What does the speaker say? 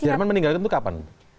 jerman meninggalkan itu kapan